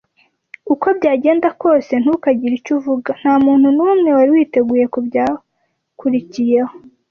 uko byagenda kose, ntukagire icyo uvuga. Ntamuntu numwe wari witeguye kubyakurikiyeho.